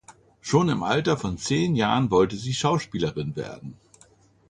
Schon im Alter von zehn Jahren wollte sie Schauspielerin werden.